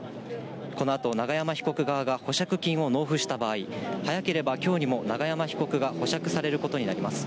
このあと永山被告側が保釈金を納付した場合、早ければきょうにも永山被告が保釈されることになります。